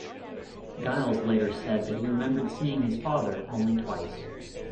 Giles later said that he remembered seeing his father only twice.